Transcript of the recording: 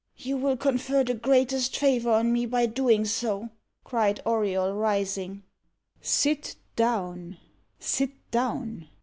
"You will confer the greatest favour on me by doing so," cried Auriol, rising. "Sit down sit down!"